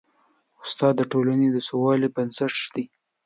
استاد د ټولنې د سوکالۍ بنسټ ږدي.